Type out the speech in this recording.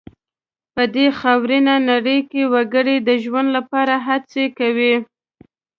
په دې خاورینه نړۍ کې وګړي د ژوند لپاره هڅې کوي.